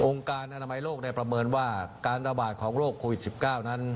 การอนามัยโลกได้ประเมินว่าการระบาดของโรคโควิด๑๙นั้น